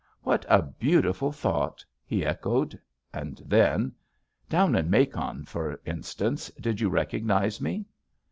"What a beautiful thought!" he echoed. And then: "Down in Macon, for instance, did you recognize me?"